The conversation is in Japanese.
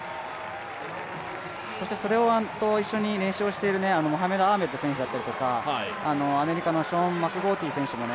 そしてそれと一緒に練習をしているモハメド・アーメド選手とかアメリカのショーン・マクゴーティー選手も